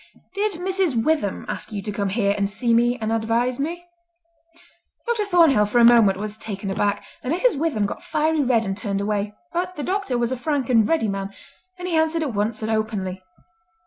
"Did Mrs. Witham ask you to come here and see me and advise me?" Dr. Thornhill for a moment was taken aback, and Mrs. Witham got fiery red and turned away; but the doctor was a frank and ready man, and he answered at once and openly.